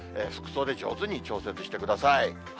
服装で上手に調節してください。